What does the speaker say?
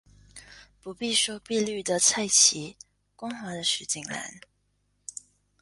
不必说碧绿的菜畦，光滑的石井栏